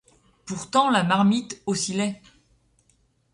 Pourtant la marmite oscillait.